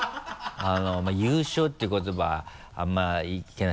「優勝」っていう言葉はあんまりいけないです。